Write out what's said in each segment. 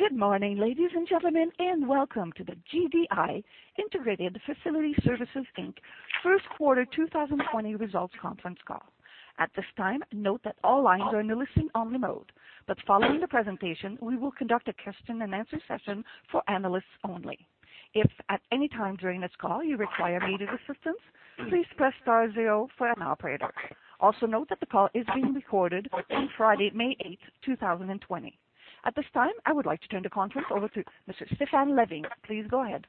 Good morning, ladies and gentlemen, and welcome to the GDI Integrated Facility Services Inc. Q1 2020 Results Conference Call. At this time, note that all lines are in a listen-only mode, but following the presentation, we will conduct a question-and-answer session for analysts only. If at any time during this call you require immediate assistance, please press star zero for an operator. Also note that the call is being recorded on Friday, May 8, 2020. At this time, I would like to turn the conference over to Mr. Stéphane Lavigne. Please go ahead.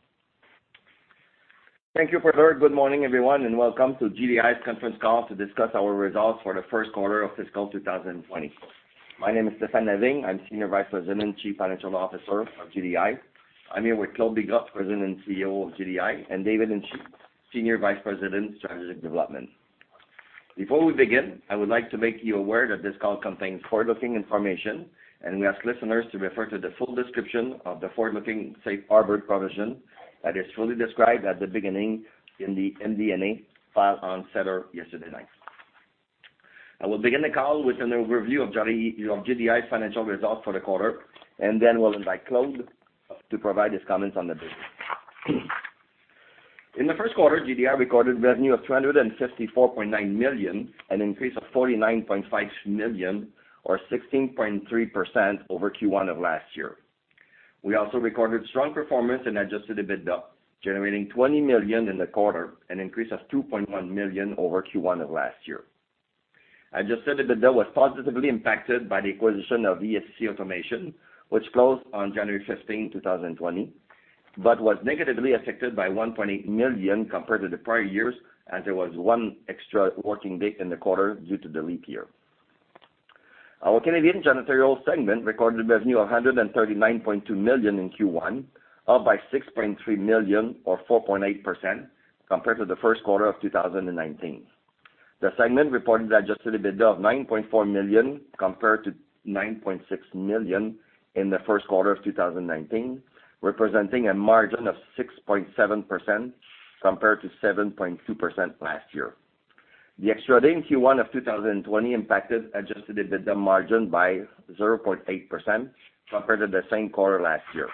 Thank you, operator. Good morning, everyone, and welcome to GDI's conference call to discuss our results for Q1 of fiscal 2020. My name is Stéphane Lavigne. I'm Senior Vice President, Chief Financial Officer of GDI. I'm here with Claude Bigras, President and CEO of GDI, and David Hinchey, Senior Vice President, Strategic Development. Before we begin, I would like to make you aware that this call contains forward-looking information, and we ask listeners to refer to the full description of the forward-looking safe harbor provision that is fully described at the beginning in the MD&A file on SEDAR, yesterday night. I will begin the call with an overview of GDI's financial results for the quarter, and then we'll invite Claude to provide his comments on the business. In the Q1, GDI recorded revenue of 254.9 an increase of 49.5 million, or 16.3% over Q1 of last year. We also recorded strong performance and adjusted EBITDA, generating 20 in the quarter, an increase of 2.1 million over Q1 of last year. Adjusted EBITDA was positively impacted by the acquisition of ESC Automation, which closed on January 15, 2020, but was negatively affected by 1.8 million compared to the prior years, as there was one extra working day in the quarter due to the leap year. Our Canadian janitorial segment recorded revenue of 139.2 in Q1, up by 6.3 million, or 4.8%, compared to the Q1 of 2019. The segment reported adjusted EBITDA of 9.4 compared to 9.6 million in the Q1 of 2019, representing a margin of 6.7% compared to 7.2% last year. The extra day in Q1 of 2020 impacted Adjusted EBITDA margin by 0.8% compared to the same quarter last year.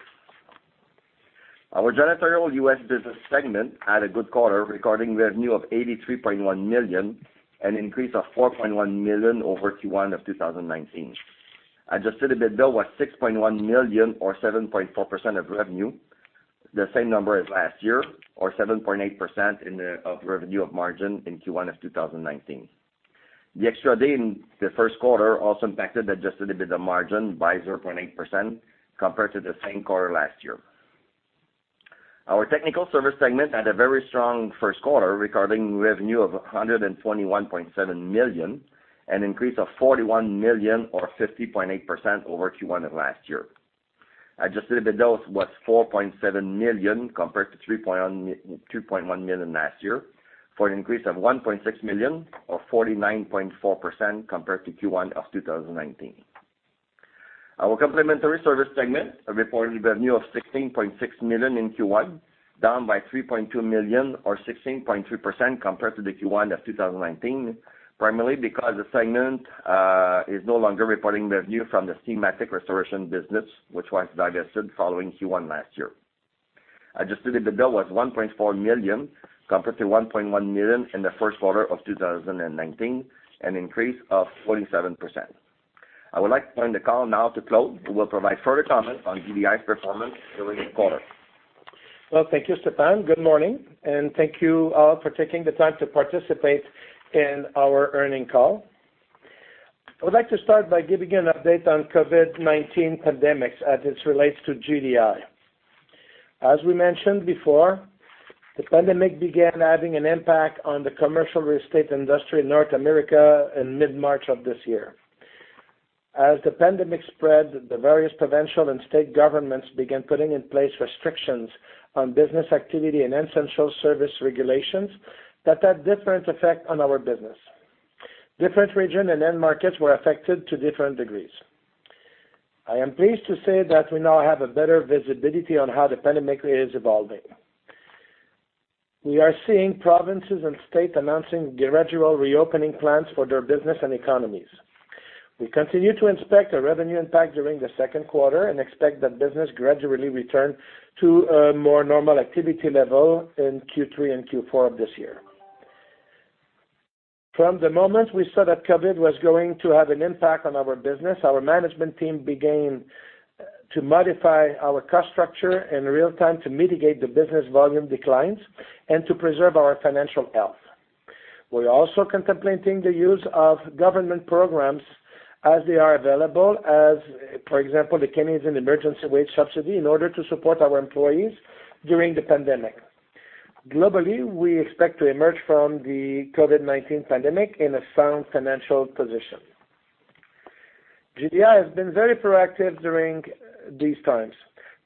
Our janitorial U.S. business segment had a good quarter, recording revenue of 83.1 an increase of 4.1 million over Q1 of 2019. Adjusted EBITDA was 6.1 million, or 7.4% of revenue, the same number as last year, or 7.8% revenue margin in Q1 of 2019. The extra day in the Q1 also impacted Adjusted EBITDA margin by 0.8% compared to the same quarter last year. Our technical service segment had a very strong Q1, recording revenue of 121.7 an increase of 41 million, or 50.8% over Q1 of last year. Adjusted EBITDA was 4.7 compared to 3.1 million last year, for an increase of 1.6 million, or 49.4% compared to Q1 of 2019. Our complementary service segment reported revenue of 16.6 in Q1, down by 3.2 million, or 16.3% compared to the Q1 of 2019, primarily because the segment is no longer reporting revenue from the Steamatic Restoration business, which was divested following Q1 last year. Adjusted EBITDA was 1.4 compared to 1.1 million in the Q1 of 2019, an increase of 47%. I would like to turn the call now to Claude, who will provide further comments on GDI's performance during the quarter. Thank you, Stéphane. Good morning, and thank you all for taking the time to participate in our earnings call. I would like to start by giving an update on COVID-19 pandemic as it relates to GDI. As we mentioned before, the pandemic began having an impact on the commercial real estate industry in North America in mid-March of this year. As the pandemic spread, the various provincial and state governments began putting in place restrictions on business activity and essential service regulations that had different effects on our business. Different regions and end markets were affected to different degrees. I am pleased to say that we now have a better visibility on how the pandemic is evolving. We are seeing provinces and states announcing gradual reopening plans for their business and economies. We continue to expect a revenue impact during the second quarter and expect that business gradually return to a more normal activity level in Q3 and Q4 of this year. From the moment we saw that COVID was going to have an impact on our business, our management team began to modify our cost structure in real time to mitigate the business volume declines and to preserve our financial health. We're also contemplating the use of government programs as they are available, as, for example, the Canada Emergency Wage Subsidy, in order to support our employees during the pandemic. Globally, we expect to emerge from the COVID-19 pandemic in a sound financial position. GDI has been very proactive during these times,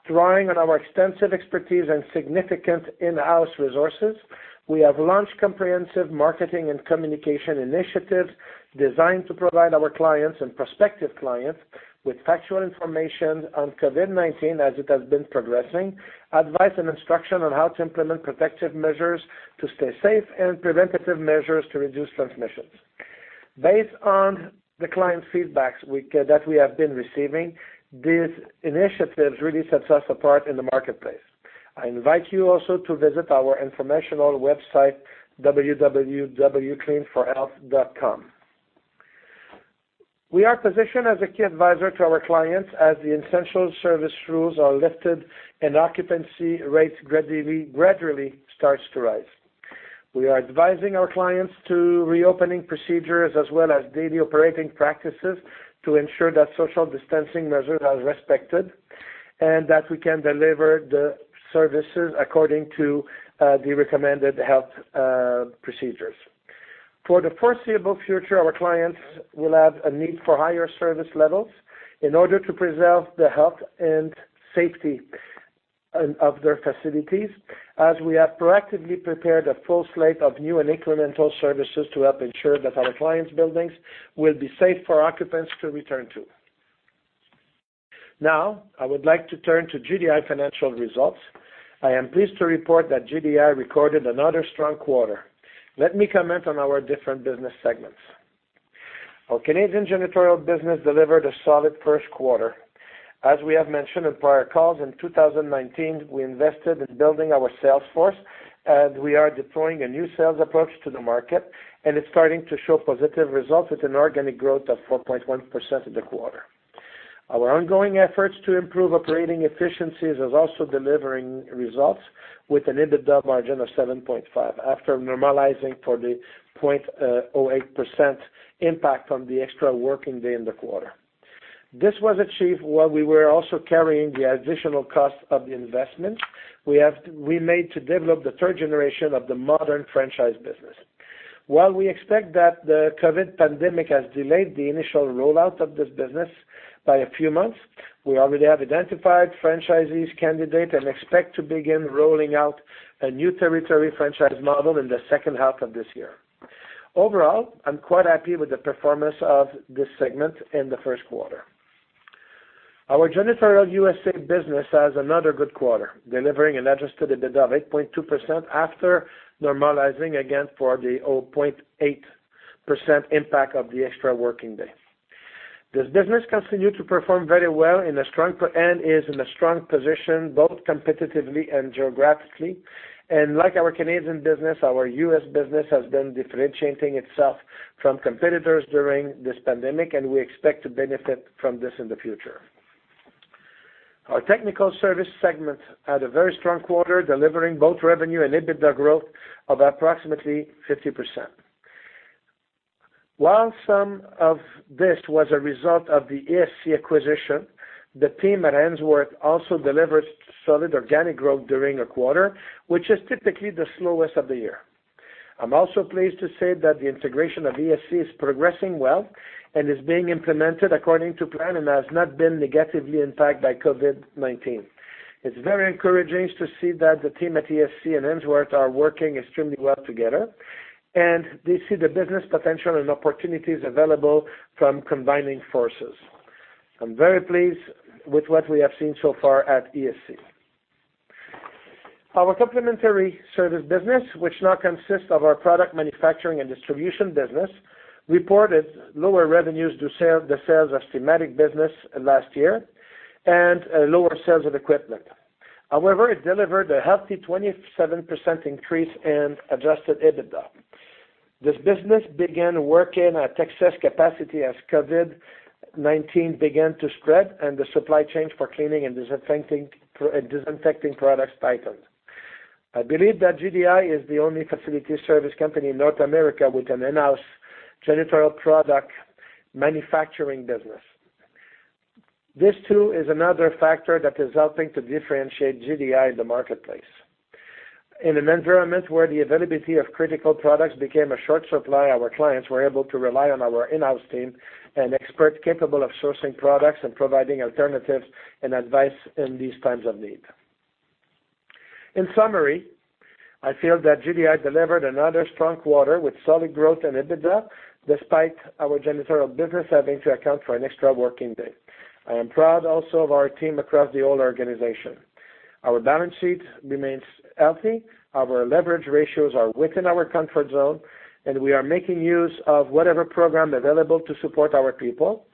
drawing on our extensive expertise and significant in-house resources. We have launched comprehensive marketing and communication initiatives designed to provide our clients and prospective clients with factual information on COVID-19 as it has been progressing, advice and instruction on how to implement protective measures to stay safe, and preventative measures to reduce transmissions. Based on the client feedback that we have been receiving, these initiatives really set us apart in the marketplace. I invite you also to visit our informational website, www.cleanforhealth.com. We are positioned as a key advisor to our clients as the essential service rules are lifted and occupancy rates gradually start to rise. We are advising our clients to reopen procedures as well as daily operating practices to ensure that social distancing measures are respected and that we can deliver the services according to the recommended health procedures. For the foreseeable future, our clients will have a need for higher service levels in order to preserve the health and safety of their facilities, as we have proactively prepared a full slate of new and incremental services to help ensure that our clients' buildings will be safe for occupants to return to. Now, I would like to turn to GDI financial results. I am pleased to report that GDI recorded another strong quarter. Let me comment on our different business segments. Our Canadian janitorial business delivered a solid Q1. As we have mentioned in prior calls, in 2019, we invested in building our sales force, and we are deploying a new sales approach to the market, and it's starting to show positive results with an organic growth of 4.1% of the quarter. Our ongoing efforts to improve operating efficiencies are also delivering results with an EBITDA margin of 7.5% after normalizing for the 0.8% impact from the extra working day in the quarter. This was achieved while we were also carrying the additional cost of the investments we made to develop the third generation of the Modern Franchise business. While we expect that the COVID pandemic has delayed the initial rollout of this business by a few months, we already have identified franchisee candidates and expect to begin rolling out a new territory franchise model in the second half of this year. Overall, I'm quite happy with the performance of this segment in the Q1. Our janitorial U.S. business has another good quarter, delivering an adjusted EBITDA of 8.2% after normalizing again for the 0.8% impact of the extra working day. This business continued to perform very well and is in a strong position both competitively and geographically, and like our Canadian business, our U.S. business has been differentiating itself from competitors during this pandemic, and we expect to benefit from this in the future. Our technical service segment had a very strong quarter, delivering both revenue and EBITDA growth of approximately 50%. While some of this was a result of the ESC acquisition, the team at Ainsworth also delivered solid organic growth during the quarter, which is typically the slowest of the year. I'm also pleased to say that the integration of ESC is progressing well and is being implemented according to plan and has not been negatively impacted by COVID-19. It's very encouraging to see that the team at ESC and Ainsworth are working extremely well together, and they see the business potential and opportunities available from combining forces. I'm very pleased with what we have seen so far at ESC. Our complementary service business, which now consists of our product manufacturing and distribution business, reported lower revenues due to the sales of Steamatic business last year and lower sales of equipment. However, it delivered a healthy 27% increase in Adjusted EBITDA. This business began working at excess capacity as COVID-19 began to spread, and the supply chain for cleaning and disinfecting products tightened. I believe that GDI is the only facility service company in North America with an in-house janitorial product manufacturing business. This, too, is another factor that is helping to differentiate GDI in the marketplace. In an environment where the availability of critical products became a short supply, our clients were able to rely on our in-house team and experts capable of sourcing products and providing alternatives and advice in these times of need. In summary, I feel that GDI delivered another strong quarter with solid growth and EBITDA, despite our janitorial business having to account for an extra working day. I am proud also of our team across the whole organization. Our balance sheet remains healthy. Our leverage ratios are within our comfort zone, and we are making use of whatever program available to support our people.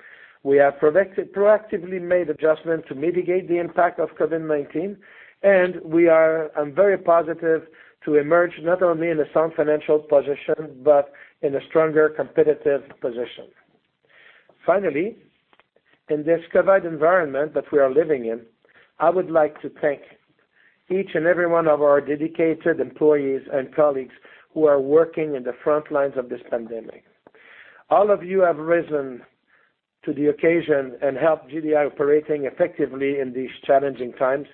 We have proactively made adjustments to mitigate the impact of COVID-19, and we are very positive to emerge not only in a sound financial position but in a stronger competitive position. Finally, in this COVID environment that we are living in, I would like to thank each and every one of our dedicated employees and colleagues who are working in the front lines of this pandemic. All of you have risen to the occasion and helped GDI operating effectively in these challenging times,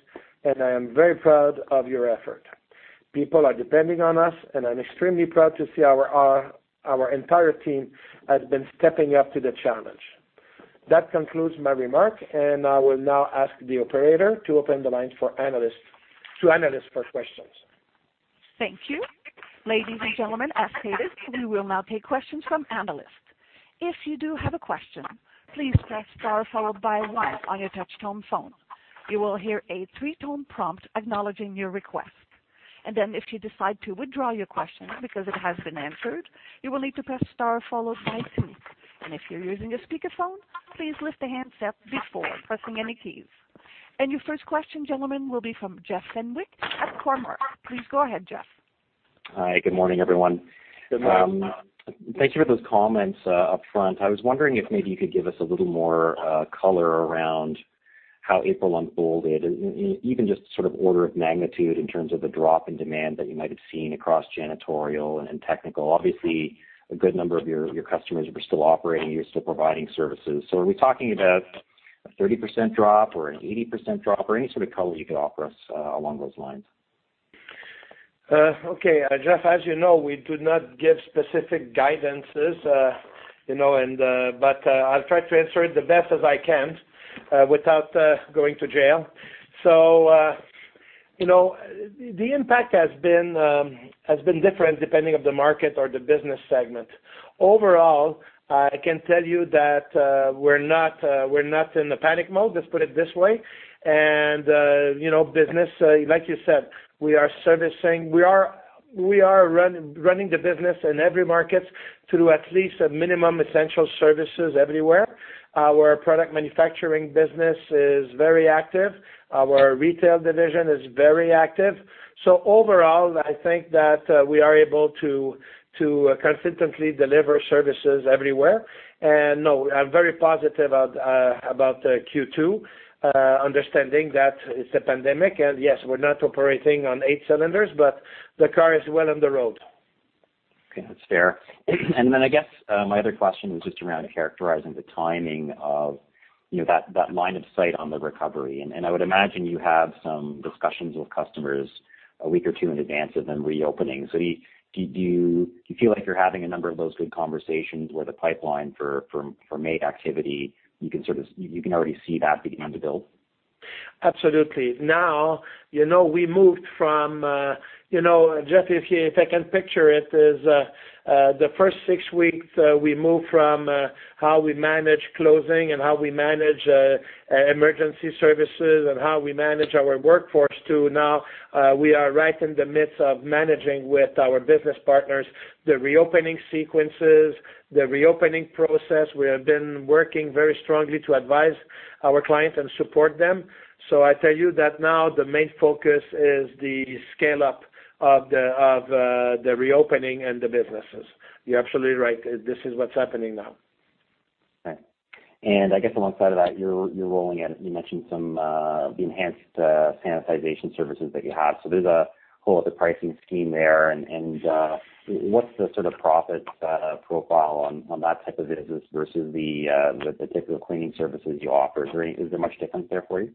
and I am very proud of your effort. People are depending on us, and I'm extremely proud to see our entire team has been stepping up to the challenge. That concludes my remark, and I will now ask the operator to open the lines to analysts for questions. Thank you. Ladies and gentlemen, as stated, we will now take questions from analysts. If you do have a question, please press star followed by one on your touch-tone phone. You will hear a three-tone prompt acknowledging your request. And then, if you decide to withdraw your question because it has been answered, you will need to press star followed by two. And if you're using a speakerphone, please lift the handset before pressing any keys. And your first question, gentlemen, will be from Jeff Fenwick at Cormark. Please go ahead, Jeff. Hi. Good morning, everyone. Good morning, Jeff. Thank you for those comments upfront. I was wondering if maybe you could give us a little more color around how April unfolded, even just sort of order of magnitude in terms of the drop in demand that you might have seen across janitorial and technical. Obviously, a good number of your customers were still operating. You were still providing services. So are we talking about a 30% drop or an 80% drop or any sort of color you could offer us along those lines? Okay. Jeff, as you know, we do not give specific guidances, but I'll try to answer it the best as I can without going to jail, so the impact has been different depending on the market or the business segment. Overall, I can tell you that we're not in a panic mode, let's put it this way, and business, like you said, we are servicing. We are running the business in every market through at least a minimum essential services everywhere. Our product manufacturing business is very active. Our retail division is very active. So overall, I think that we are able to consistently deliver services everywhere, and no, I'm very positive about Q2, understanding that it's a pandemic, and yes, we're not operating on eight cylinders, but the car is well on the road. Okay. That's fair. And then I guess my other question was just around characterizing the timing of that line of sight on the recovery. And I would imagine you have some discussions with customers a week or two in advance of them reopening. So do you feel like you're having a number of those good conversations where the pipeline for main activity, you can already see that beginning to build? Absolutely. Now, we moved from, Jeff, if I can picture it, the first six weeks we moved from how we manage closing and how we manage emergency services and how we manage our workforce to now we are right in the midst of managing with our business partners the reopening sequences, the reopening process. We have been working very strongly to advise our clients and support them, so I tell you that now the main focus is the scale-up of the reopening and the businesses. You're absolutely right. This is what's happening now. Okay. And I guess alongside of that, you're rolling it out. You mentioned some of the enhanced sanitization services that you have. So there's a whole other pricing scheme there. And what's the sort of profit profile on that type of business versus the typical cleaning services you offer? Is there much difference there for you?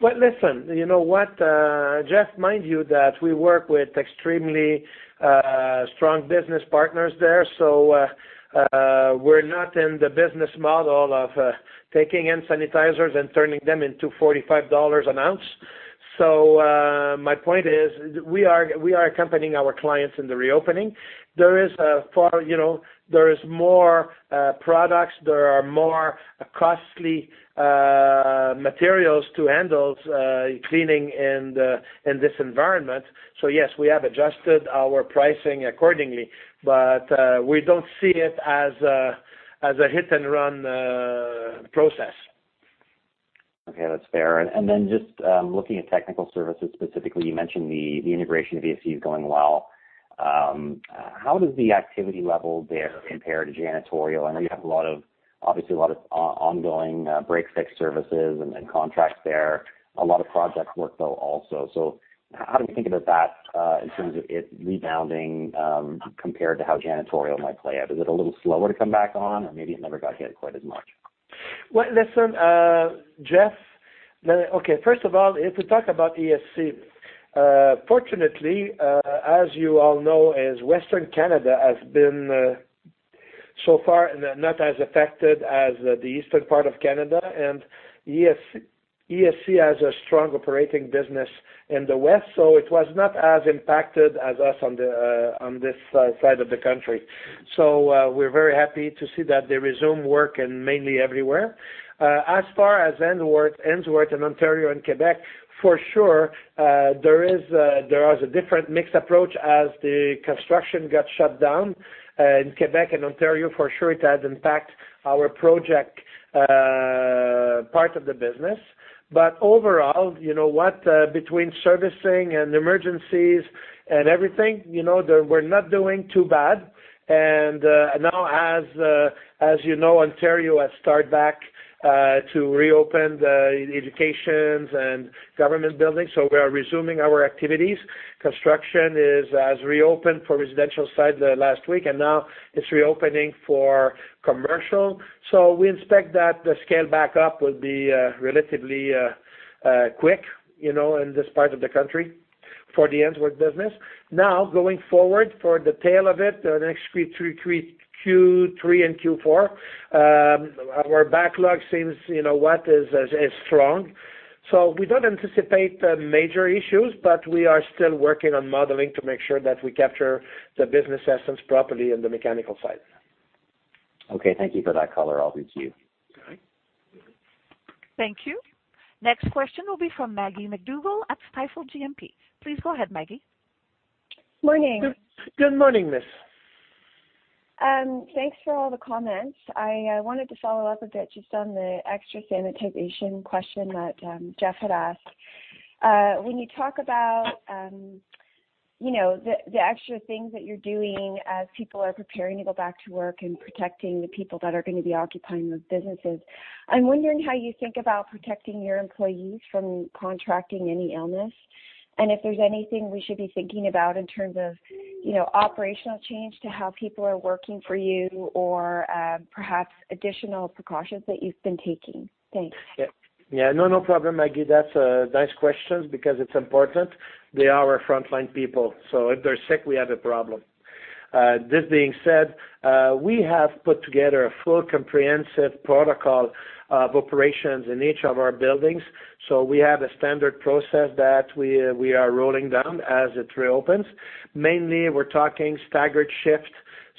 Listen, you know what, Jeff, mind you that we work with extremely strong business partners there. So we're not in the business model of taking in sanitizers and turning them into 45 dollars an ounce. So my point is we are accompanying our clients in the reopening. There is more products. There are more costly materials to handle cleaning in this environment. So yes, we have adjusted our pricing accordingly, but we don't see it as a hit-and-run process. Okay. That's fair. And then just looking at technical services specifically, you mentioned the integration of ESC is going well. How does the activity level there compare to janitorial? I know you have a lot of, obviously, a lot of ongoing break-fix services and contracts there. A lot of projects work, though, also. So how do we think about that in terms of it rebounding compared to how janitorial might play out? Is it a little slower to come back on, or maybe it never got hit quite as much? Listen, Jeff. Okay, first of all, if we talk about ESC, fortunately, as you all know, Western Canada has been so far not as affected as the eastern part of Canada. ESC has a strong operating business in the west, so it was not as impacted as us on this side of the country. We're very happy to see that they resume work and mainly everywhere. As far as Ainsworth, Ontario, and Quebec, for sure, there was a different mixed approach as the construction got shut down. In Quebec and Ontario, for sure, it had impacted our project part of the business. Overall, you know what, between servicing and emergencies and everything, we're not doing too bad. Now, as you know, Ontario has started back to reopen the education and government buildings, so we are resuming our activities. Construction has reopened for residential site last week, and now it's reopening for commercial, so we expect that the scale back up will be relatively quick in this part of the country for the Ainsworth business. Now, going forward for the tail of it, the next Q3 and Q4, our backlog seems strong, so we don't anticipate major issues, but we are still working on modeling to make sure that we capture the business essence properly in the mechanical side. Okay. Thank you for that color. I'll do Q. All right. Thank you. Next question will be from Maggie MacDougall at Stifel GMP. Please go ahead, Maggie. Good morning. Good morning, Miss. Thanks for all the comments. I wanted to follow up a bit just on the extra sanitization question that Jeff had asked. When you talk about the extra things that you're doing as people are preparing to go back to work and protecting the people that are going to be occupying those businesses, I'm wondering how you think about protecting your employees from contracting any illness and if there's anything we should be thinking about in terms of operational change to how people are working for you or perhaps additional precautions that you've been taking? Thanks. Yeah. No, no problem, Maggie. That's a nice question because it's important. They are our frontline people. So if they're sick, we have a problem. This being said, we have put together a full comprehensive protocol of operations in each of our buildings. So we have a standard process that we are rolling down as it reopens. Mainly, we're talking staggered shift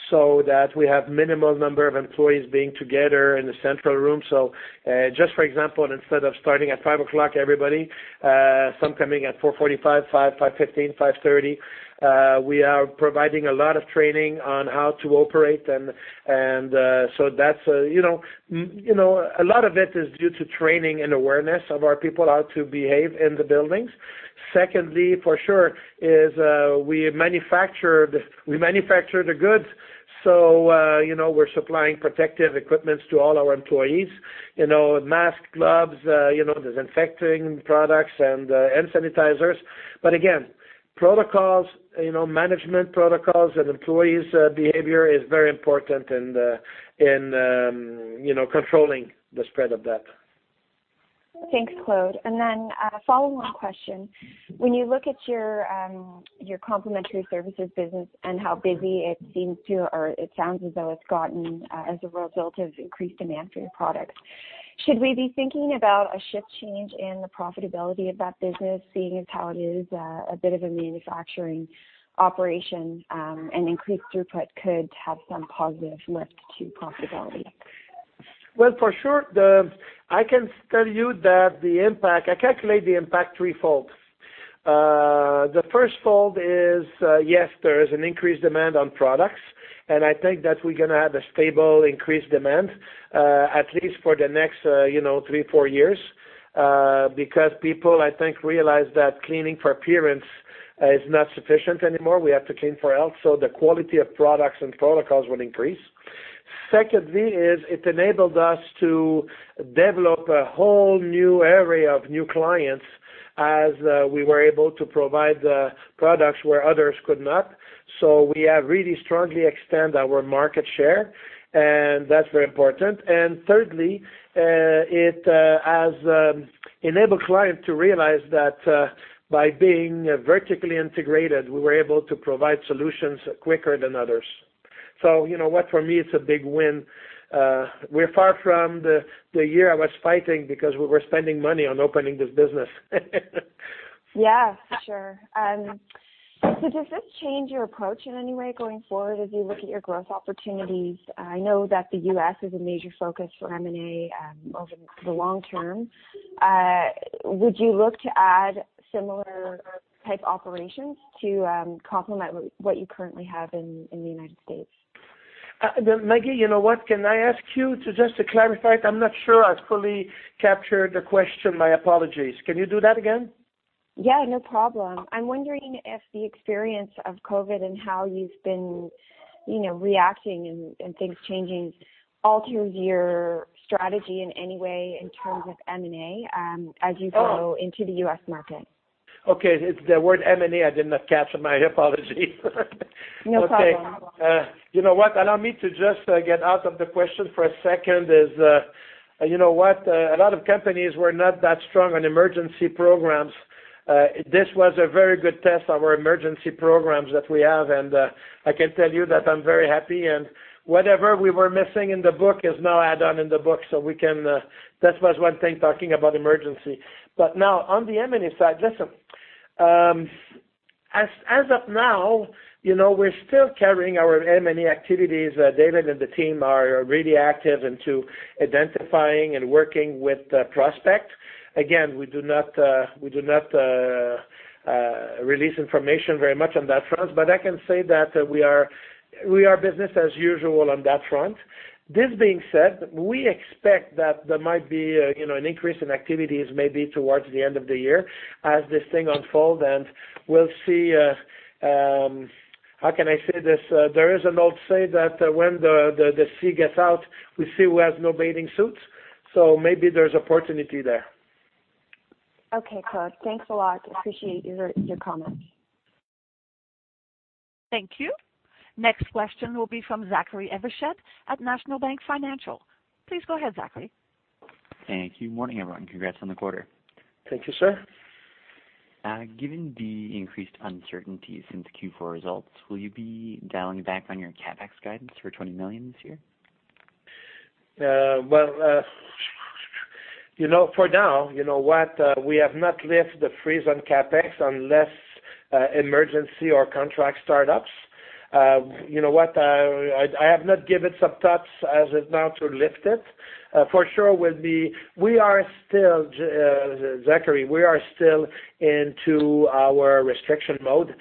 so that we have a minimal number of employees being together in the central room. So just for example, instead of starting at 5:00 P.M., everybody, some coming at 4:45 P.M., 5:15 P.M., 5:30 P.M., we are providing a lot of training on how to operate. And so that's a lot of it is due to training and awareness of our people how to behave in the buildings. Secondly, for sure, is we manufacture the goods. So we're supplying protective equipments to all our employees: masks, gloves, disinfecting products, and sanitizers. But again, protocols, management protocols, and employees' behavior is very important in controlling the spread of that. Thanks, Claude. And then a follow-on question. When you look at your complementary services business and how busy it seems to or it sounds as though it's gotten as a result of increased demand for your products, should we be thinking about a shift change in the profitability of that business, seeing as how it is a bit of a manufacturing operation and increased throughput could have some positive lift to profitability? For sure, I can tell you that the impact. I calculate the impact three folds. The first fold is, yes, there is an increased demand on products. And I think that we're going to have a stable increased demand, at least for the next three, four years, because people, I think, realize that cleaning for appearance is not sufficient anymore. We have to Clean for Health. So the quality of products and protocols will increase. Secondly, it enabled us to develop a whole new area of new clients as we were able to provide the products where others could not. So we have really strongly extended our market share, and that's very important. And thirdly, it has enabled clients to realize that by being vertically integrated, we were able to provide solutions quicker than others. So you know what, for me, it's a big win. We're far from the year I was fighting because we were spending money on opening this business. Yeah. For sure. So does this change your approach in any way going forward as you look at your growth opportunities? I know that the U.S. is a major focus for M&A over the long term. Would you look to add similar type operations to complement what you currently have in the United States? Maggie, you know what, can I ask you to just clarify it? I'm not sure I fully captured the question. My apologies. Can you do that again? Yeah. No problem. I'm wondering if the experience of COVID and how you've been reacting and things changing alters your strategy in any way in terms of M&A as you go into the U.S. market? Okay. The word M&A, I did not catch it. My apologies. No problem. Okay. You know what, allow me to just get out of the question for a second. You know what, a lot of companies were not that strong on emergency programs. This was a very good test, our emergency programs that we have. And I can tell you that I'm very happy, and whatever we were missing in the book is now add-on in the book. So that was one thing talking about emergency, but now, on the M&A side, listen, as of now, we're still carrying our M&A activities. David and the team are really active into identifying and working with prospects. Again, we do not release information very much on that front. But I can say that we are business as usual on that front. This being said, we expect that there might be an increase in activities maybe towards the end of the year as this thing unfolds. And we'll see, how can I say this? There is an old saying that when the tide goes out, we see who has no bathing suits. So maybe there's opportunity there. Okay, Claude. Thanks a lot. Appreciate your comments. Thank you. Next question will be from Zachary Evershed at National Bank Financial. Please go ahead, Zachary. Thank you. Morning, everyone. Congrats on the quarter. Thank you, sir. Given the increased uncertainty since Q4 results, will you be dialing back on your CapEx guidance for 20 million this year? For now, you know what, we have not lifted the freeze on CapEx unless emergency or contract startups. You know what, I have not given some thoughts as of now to lift it. For sure, we are still, Zachary, we are still into our restriction mode.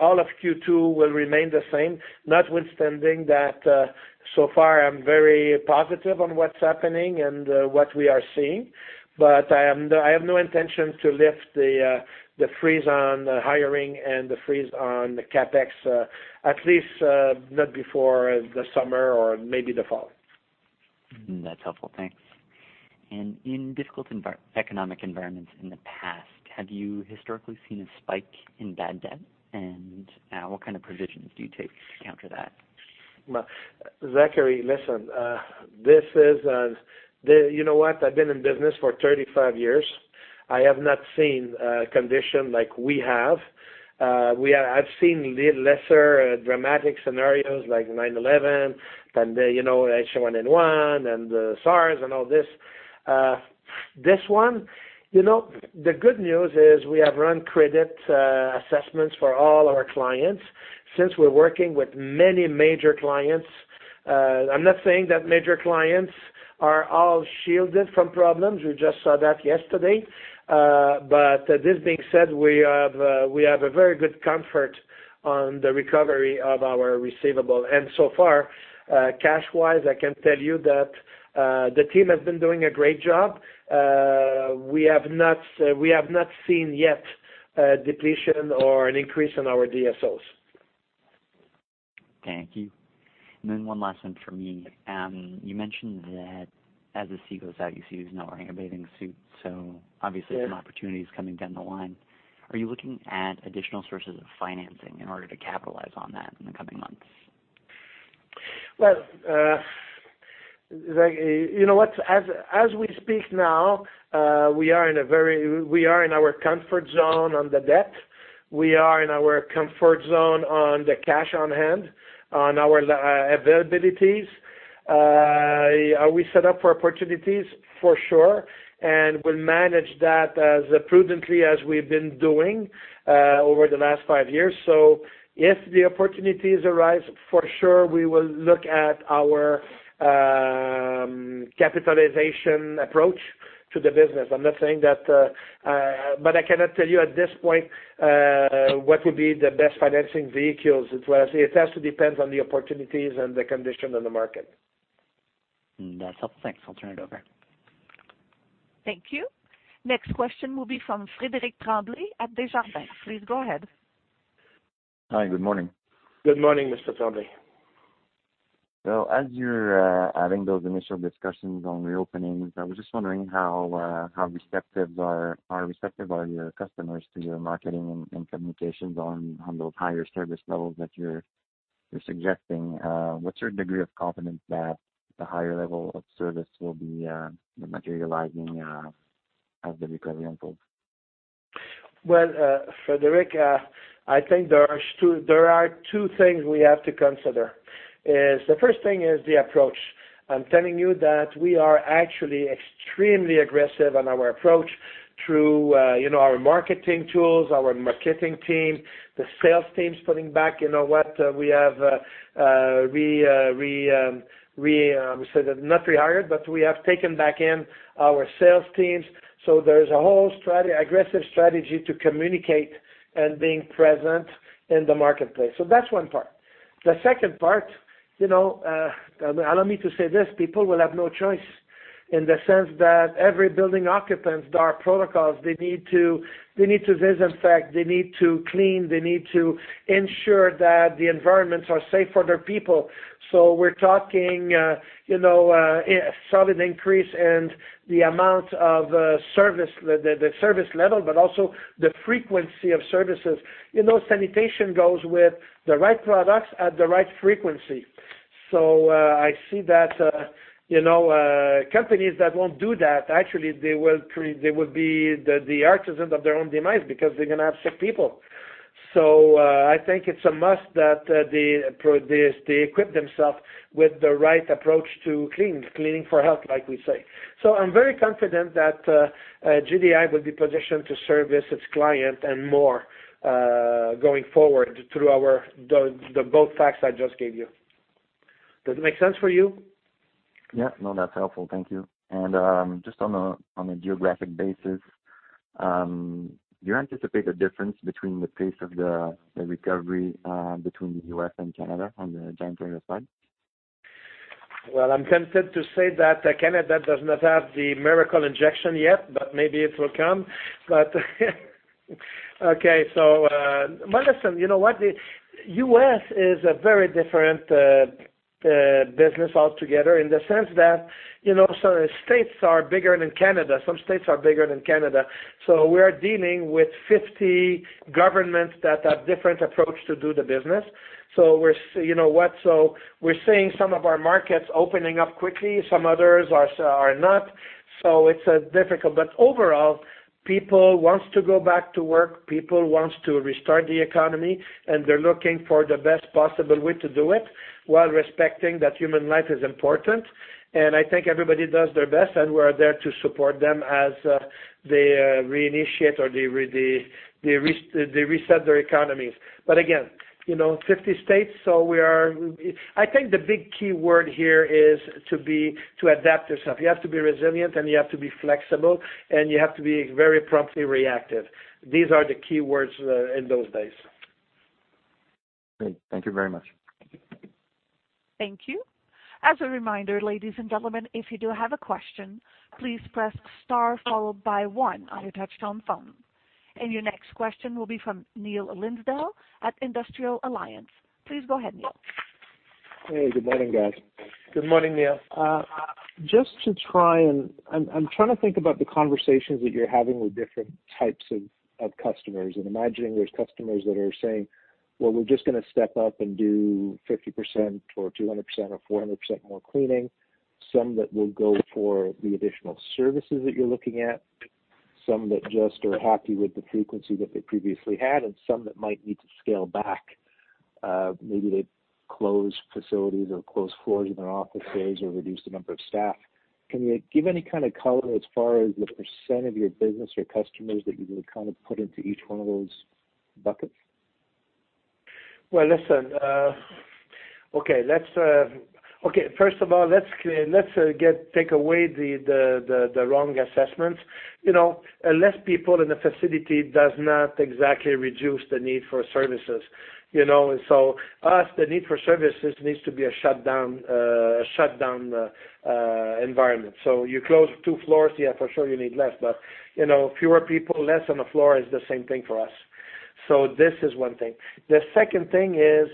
All of Q2 will remain the same, notwithstanding that so far I'm very positive on what's happening and what we are seeing. I have no intention to lift the freeze on hiring and the freeze on CapEx, at least not before the summer or maybe the fall. That's helpful. Thanks. And in difficult economic environments in the past, have you historically seen a spike in bad debt? And what kind of provisions do you take to counter that? Zachary, listen, this is you know what, I've been in business for 35 years. I have not seen a condition like we have. I've seen lesser dramatic scenarios like 9/11, pandemic, H1N1, and SARS, and all this. This one, the good news is we have run credit assessments for all our clients since we're working with many major clients. I'm not saying that major clients are all shielded from problems. We just saw that yesterday. But this being said, we have a very good comfort on the recovery of our receivable. And so far, cash-wise, I can tell you that the team has been doing a great job. We have not seen yet depletion or an increase in our DSOs. Thank you. And then one last one for me. You mentioned that as the sea goes out, you see who's not wearing a bathing suit. So obviously, some opportunities coming down the line. Are you looking at additional sources of financing in order to capitalize on that in the coming months? You know what, as we speak now, we are in our comfort zone on the debt. We are in our comfort zone on the cash on hand, on our availabilities. Are we set up for opportunities? For sure. We'll manage that as prudently as we've been doing over the last five years. If the opportunities arise, for sure, we will look at our capitalization approach to the business. I'm not saying that, but I cannot tell you at this point what would be the best financing vehicles. It has to depend on the opportunities and the condition on the market. That's helpful. Thanks. I'll turn it over. Thank you. Next question will be from Frédéric Tremblay at Desjardins. Please go ahead. Hi. Good morning. Good morning, Mr. Tremblay. So as you're having those initial discussions on reopening, I was just wondering how receptive are your customers to your marketing and communications on those higher service levels that you're suggesting? What's your degree of confidence that the higher level of service will be materializing as the recovery unfolds? Frédéric, I think there are two things we have to consider. The first thing is the approach. I'm telling you that we are actually extremely aggressive on our approach through our marketing tools, our marketing team, the sales teams putting back, you know what, we have not rehired, but we have taken back in our sales teams. So there's a whole aggressive strategy to communicate and being present in the marketplace. So that's one part. The second part, allow me to say this, people will have no choice in the sense that every building's occupants. Our protocols, they need to disinfect, they need to clean, they need to ensure that the environments are safe for their people. So we're talking a solid increase in the amount of service, the service level, but also the frequency of services. Sanitation goes with the right products at the right frequency. So I see that companies that won't do that, actually, they will be the artisans of their own demise because they're going to have sick people. So I think it's a must that they equip themselves with the right approach to cleaning, cleaning for health, like we say. So I'm very confident that GDI will be positioned to service its clients and more going forward through the both facts I just gave you. Does it make sense for you? Yeah. No, that's helpful. Thank you. And just on a geographic basis, do you anticipate a difference between the pace of the recovery between the U.S. and Canada on the janitorial side? I'm tempted to say that Canada does not have the miracle injection yet, but maybe it will come. Okay. Listen, you know what, the U.S. is a very different business altogether in the sense that some states are bigger than Canada. Some states are bigger than Canada. We are dealing with 50 governments that have different approaches to do the business. You know what, we're seeing some of our markets opening up quickly. Some others are not. It's difficult. Overall, people want to go back to work. People want to restart the economy. They're looking for the best possible way to do it while respecting that human life is important. I think everybody does their best. We're there to support them as they reinitiate or they reset their economies. Again, 50 states. So, I think the big key word here is to adapt yourself. You have to be resilient, and you have to be flexible, and you have to be very promptly reactive. These are the key words in those days. Great. Thank you very much. Thank you. As a reminder, ladies and gentlemen, if you do have a question, please press star followed by one on your touch-tone phone, and your next question will be from Neil Linsdell at Industrial Alliance. Please go ahead, Neil. Hey. Good morning, guys. Good morning, Neil. Just to try and I'm trying to think about the conversations that you're having with different types of customers, and imagining there's customers that are saying, "Well, we're just going to step up and do 50% or 200% or 400% more cleaning," some that will go for the additional services that you're looking at, some that just are happy with the frequency that they previously had, and some that might need to scale back, maybe they close facilities or close floors in their offices or reduce the number of staff. Can you give any kind of color as far as the percent of your business or customers that you would kind of put into each one of those buckets? Well, listen, okay. First of all, let's take away the wrong assessments. Less people in a facility does not exactly reduce the need for services. So, as the need for services needs to be a shutdown environment. So you close two floors, yeah, for sure, you need less. But fewer people, less on the floor is the same thing for us. So this is one thing. The second thing is,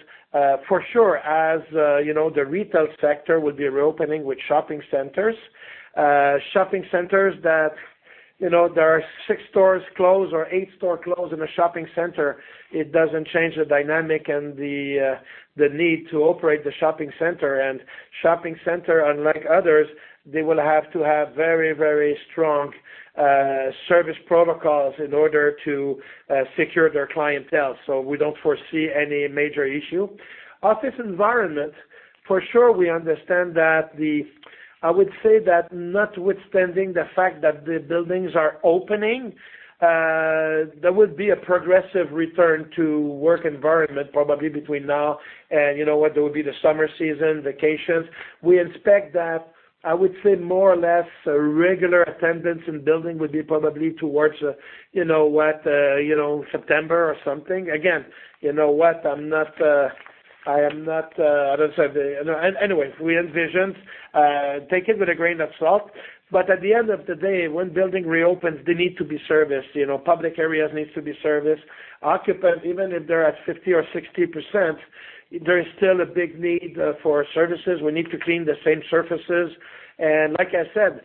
for sure, as the retail sector will be reopening with shopping centers. Shopping centers that there are six stores closed or eight stores closed in a shopping center, it doesn't change the dynamic and the need to operate the shopping center. And shopping centers, unlike others, they will have to have very, very strong service protocols in order to secure their clientele. So we don't foresee any major issue. Office environment, for sure. We understand that. I would say that notwithstanding the fact that the buildings are opening, there would be a progressive return to work environment probably between now and, you know what, there would be the summer season, vacations. We expect that, I would say, more or less, regular attendance in buildings would be probably towards what, September or something. Again, you know what, I'm not saying anyway. We envision. Take it with a grain of salt, but at the end of the day, when buildings reopen, they need to be serviced. Public areas need to be serviced. Occupants, even if they're at 50% or 60%, there is still a big need for services. We need to clean the same surfaces. And like I said,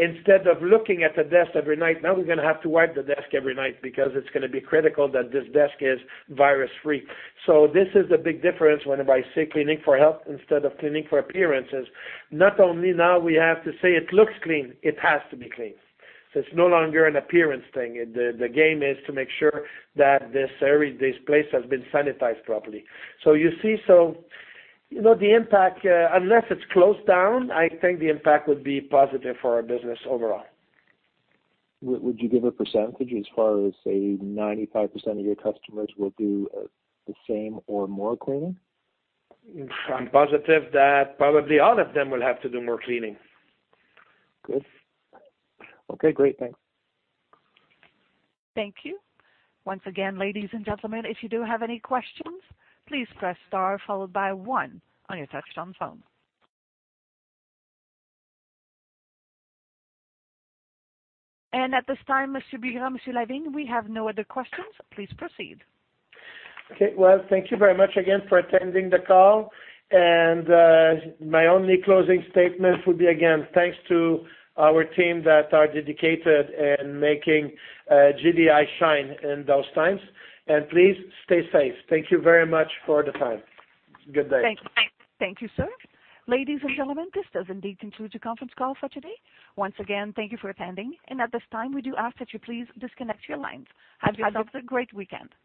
instead of looking at the desk every night, now we're going to have to wipe the desk every night because it's going to be critical that this desk is virus-free. So this is the big difference whenever I say cleaning for health instead of cleaning for appearances. Not only now we have to say it looks clean, it has to be clean. So it's no longer an appearance thing. The game is to make sure that this place has been sanitized properly. So you see, so the impact, unless it's closed down, I think the impact would be positive for our business overall. Would you give a percentage as far as say 95% of your customers will do the same or more cleaning? I'm positive that probably all of them will have to do more cleaning. Good. Okay. Great. Thanks. Thank you. Once again, ladies and gentlemen, if you do have any questions, please press star followed by one on your touch-tone phone. And at this time, Mr. Bigras, Mr. Lavigne, we have no other questions. Please proceed. Okay. Well, thank you very much again for attending the call. And my only closing statement would be again, thanks to our team that are dedicated in making GDI shine in those times. And please stay safe. Thank you very much for the time. Good day. Thank you. Thank you, sir. Ladies and gentlemen, this does indeed conclude your conference call for today. Once again, thank you for attending. And at this time, we do ask that you please disconnect your lines. Have yourself a great weekend.